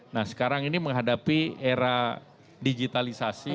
nah sekarang ini menghadapi era digitalisasi